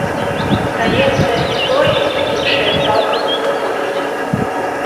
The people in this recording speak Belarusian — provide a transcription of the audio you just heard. Здаецца, і тое, і іншае цалкам падыходзіць.